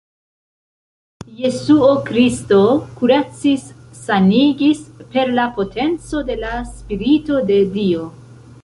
Jesuo Kristo kuracis-sanigis per la potenco de la Spirito de Dio.